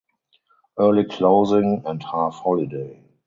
Early closing and half holiday.